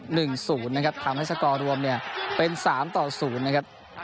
หนึ่งศูนย์นะครับทำให้สกอร์รวมเนี่ยเป็นสามต่อศูนย์นะครับ